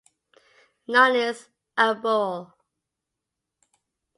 None is arboreal.